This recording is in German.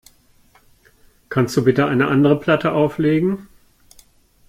Kannst du bitte eine andere Platte auflegen?